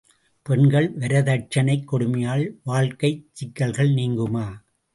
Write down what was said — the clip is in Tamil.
பெண்கள் வரதட்சணைக் கொடுமையால் வாழ்க்கைச் சிக்கல்கள் நீங்குமா?